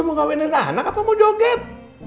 mau mainin anak apa mau joget